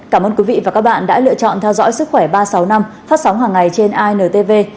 cảm ơn quý vị và các bạn đã lựa chọn theo dõi sức khỏe ba trăm sáu mươi năm phát sóng hàng ngày trên intv